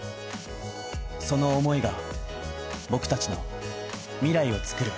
その思いが僕達の未来をつくる